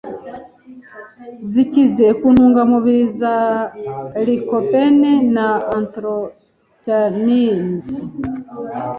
zikize ku ntungamubiri za lycopene na anthrocyanins;